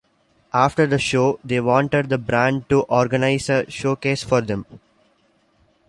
After the show, they wanted the band to organise a showcase for them.